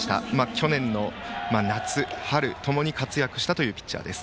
去年の夏春共に活躍したというピッチャーです。